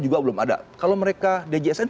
juga belum ada kalau mereka djsn